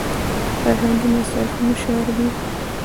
فرهنګي مسایل هم شاربي.